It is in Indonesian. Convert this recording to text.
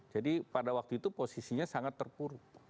jadi pada waktu itu posisinya sangat terpuruk